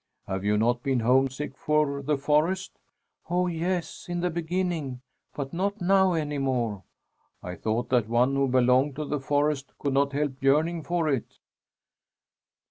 "Have you not been homesick for the forest?" "Oh, yes, in the beginning, but not now any more." "I thought that one who belonged to the forest could not help yearning for it."